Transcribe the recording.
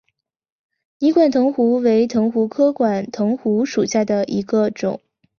泥管藤壶为藤壶科管藤壶属下的一个种。